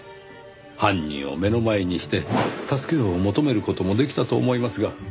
犯人を目の前にして助けを求める事もできたと思いますが。